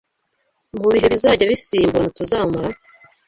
mu bihe bizajya bisimburana tuzamara